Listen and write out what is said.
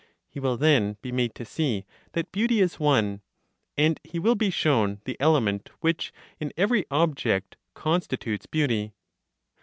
He will then be made to see that beauty is one, and he will be shown the element which, in every object, constitutes beauty.